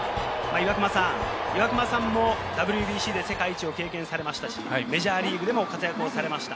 岩隈さんもＷＢＣで世界一を経験されましたし、メジャーリーグでも活躍をされました。